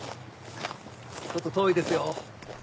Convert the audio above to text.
ちょっと遠いですよ。